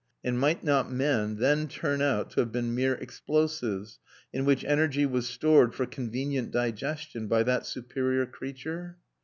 And might not men then turn out to have been mere explosives, in which energy was stored for convenient digestion by that superior creature?